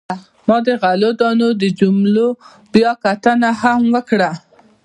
ما د غلو دانو د جملو بیاکتنه هم کړې.